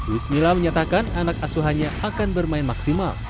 wismila menyatakan anak asuhannya akan bermain maksimal